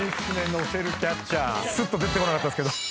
「のせるキャッチャー」すっと出てこなかったっすけど。